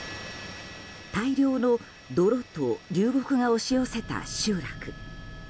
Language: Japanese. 大量の泥と流木が押し寄せた集落。